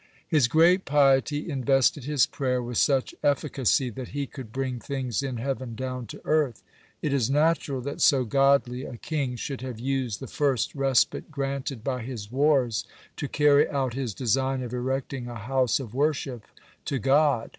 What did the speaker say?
(86) His great piety invested his prayer with such efficacy that he could bring things in heaven down to earth. (87) It is natural that so godly a king should have used the first respite granted by his wars to carry out his design of erecting a house of worship to God.